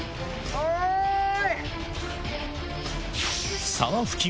おい！